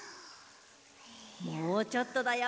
もうちょっとだよ。